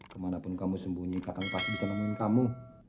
kemanapun kamu sembunyi kapan pasti bisa nemuin kamu